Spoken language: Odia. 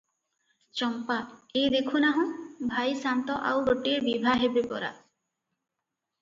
ଚମ୍ପା - ଏଇ ଦେଖୁନାହୁଁ, ଭାଇ ସାନ୍ତ ଆଉ ଗୋଟିଏ ବିଭା ହେବେ ପରା!